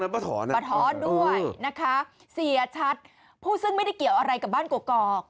ปะถอนด้วยนะคะเสียชัดพูดซึ่งไม่ได้เกี่ยวอะไรกับบ้านกรอก